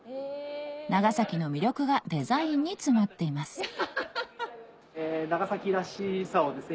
長崎の魅力がデザインに詰まっています